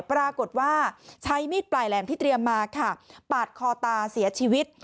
ปรากฏว่าใช้มีดปลายแหลมที่เตรียมมาค่ะปาดคอตาเสียชีวิต